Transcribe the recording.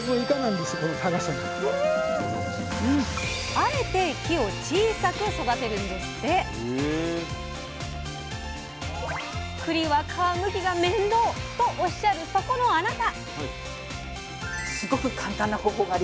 あえて木を「小さく」育てるんですって！とおっしゃるそこのあなた！